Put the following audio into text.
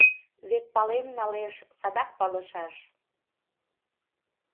Вет пален налеш, садак палышаш.